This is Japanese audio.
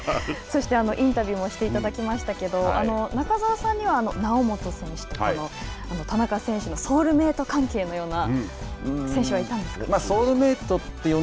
そしてインタビューもしていただきましたけど中澤さんには猶本選手と田中選手のソウルメイトの関係のような選手はいたんですか。